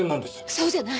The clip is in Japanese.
そうじゃない。